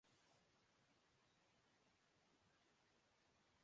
مرے قاتل حساب خوں بہا ایسے نہیں ہوتا